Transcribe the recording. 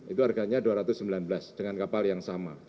itu harganya dua ratus sembilan belas dengan kapal yang sama